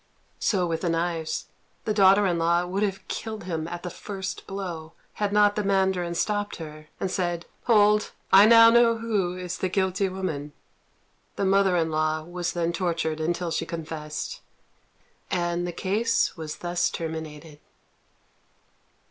So with the knives: the daughter in law would have killed him at the first blow, had not the mandarin stopped her, and said, "Hold! I now know who is the guilty woman." The mother in law was then tortured until she confessed, and the case was thus terminated.